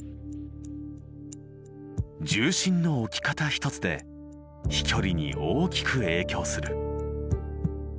重心の置き方一つで飛距離に大きく影響する。